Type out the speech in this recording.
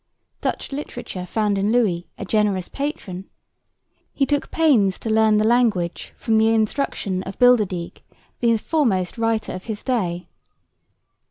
Dutch literature found in Louis a generous patron. He took pains to learn the language from the instruction of Bilderdijk, the foremost writer of his day.